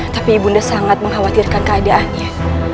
tapi ibunda sangat mengkhawatirkan keadaannya